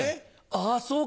あぁそうか。